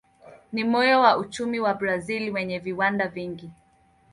Ni moyo wa uchumi wa Brazil wenye viwanda vingi.